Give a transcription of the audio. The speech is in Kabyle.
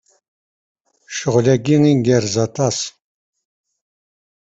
Tayri ad d-taf abrid.